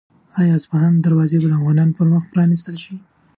آیا د اصفهان دروازې به د افغانانو پر مخ پرانیستل شي؟